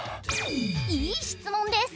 いい質問です！